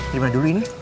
terima dulu ini